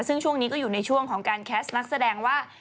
ซึ่งช่วงนี้ก็อยู่ในช่วงของการแคสต์นักแสดงว่า